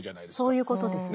そういうことですね。